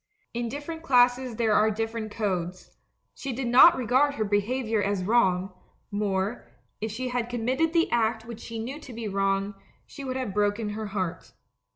In dif ferent classes there are different codes — she did not regard her behaviour as wrong; more, if she had committed the act which she knew to be wrong, she would have broken her heart.